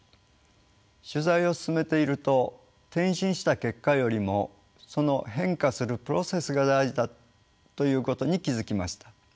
取材を進めていると転身した結果よりもその変化するプロセスが大事だということに気付きました。